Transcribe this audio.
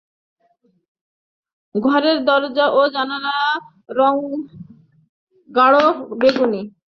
ঘরের দরজা এবং জানালার রঙ গাঢ় বেগুনি।